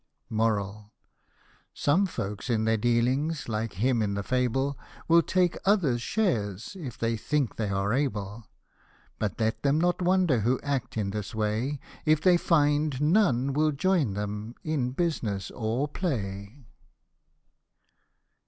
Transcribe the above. Some folks in their dealings, like him in the fable, Will take others' shares, if they think they are able ; But let them not wonder who act in this way, If they find none will join them in business or play.